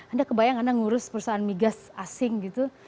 anda kebayang anda ngurus perusahaan migas asing gitu